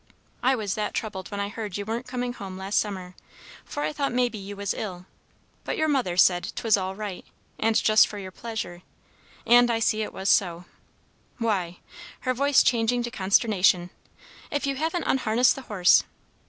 I was that troubled when I heard you wa'n't coming home last summer, for I thought maybe you was ill; but your mother she said 'twas all right, and just for your pleasure, and I see it was so. Why," her voice changing to consternation, "if you haven't unharnessed the horse!